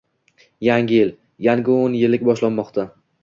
Yangi yil, yangi o'n yillik boshlanmoqda